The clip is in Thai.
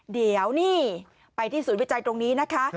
เดี๋ยวนี่ไปที่ศูนย์วิจัยตรงนี้นะคะ